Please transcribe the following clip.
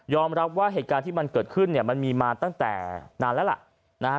ยอมรับว่าเหตุการณ์ที่มันเกิดขึ้นมันมาตั้งแต่นานแล้วล่ะ